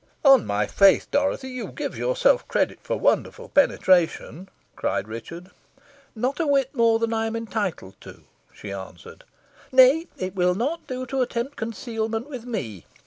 "On my faith, Dorothy, you give yourself credit for wonderful penetration," cried Richard. "Not a whit more than I am entitled to," she answered. "Nay, it will not do to attempt concealment with me.